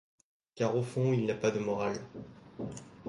Car au fond il n’y a pas de morale.